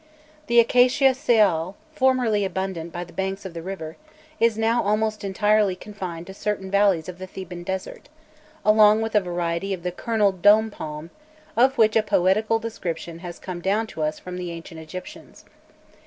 The Acacia Seyal, formerly abundant by the banks of the river, is now almost entirely confined to certain valleys of the Theban desert, along with a variety of the kernelled dôm palm, of which a poetical description has come down to us from the Ancient Egyptians.